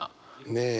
ねえ。